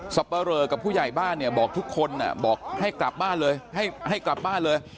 สัปริย์กับผู้ใหญ่บ้านบอกทุกคนให้กลับบ้านเลย